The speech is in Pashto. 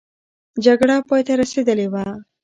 جګړه پای ته رسېدلې وه.